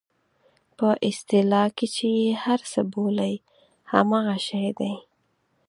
په اصطلاح کې چې یې هر څه بولئ همغه شی دی.